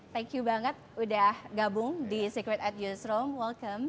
thank you banget udah gabung di secret at newsroom workom